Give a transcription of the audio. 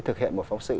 thực hiện một phóng sự